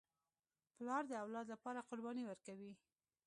پلار د اولاد لپاره قرباني ورکوي.